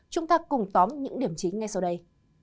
chúng ta cùng tóm những điểm chính ngay sau đây